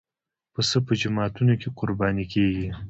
پسه په جوماتونو کې قرباني کېږي.